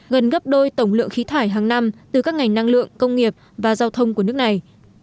gần gấp đôi tổng lượng khí thải hàng năm từ các ngành năng lượng công nghiệp và giao thông của nước này